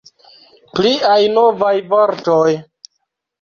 Pliaj novaj vortoj!